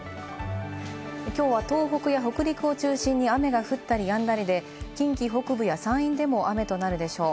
きょうは東北や北陸を中心に雨が降ったり止んだりで、近畿北部や山陰でも雨となるでしょう。